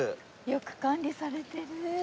よく管理されてる。